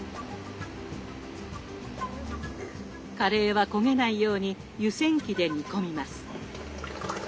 カレーは焦げないように湯せん機で煮込みます。